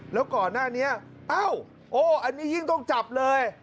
แล้วก่อนหน้านี้เอ้าโอ้อันนี้ยิ่งต้องจับเลย